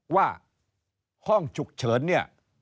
ว่าห้องฉุกเฉินเนี่ย